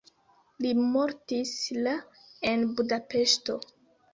Li mortis la en Budapeŝto.